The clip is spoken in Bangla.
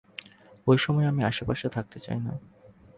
ওইসময় আমি আশেপাশে থাকতে চাই না।